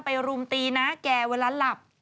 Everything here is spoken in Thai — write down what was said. รุมตีน้าแกเวลาหลับ